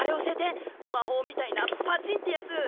魔法みたいなパチンってやつ！